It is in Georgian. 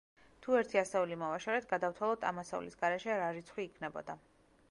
თუ ერთი ასეული მოვაშორეთ, გადავთვალოთ ამ ასეულის გარეშე რა რიცხვი იქნებოდა.